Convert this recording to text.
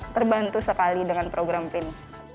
terbantu sekali dengan program pin